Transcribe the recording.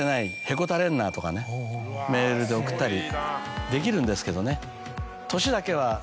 メールで送ったりできるんですけどね。